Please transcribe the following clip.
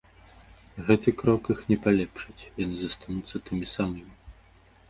Гэты крок іх не палепшыць, яны застануцца тымі самымі.